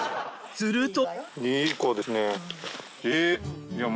すると。